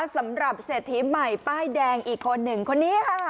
สำหรับเศรษฐีใหม่ป้ายแดงอีกคนหนึ่งคนนี้ค่ะ